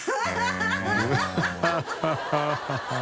ハハハ